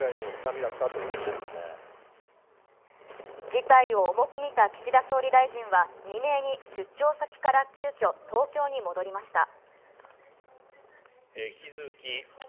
事態を重く見た岸田総理大臣は未明に出張先から急きょ、東京に戻りました。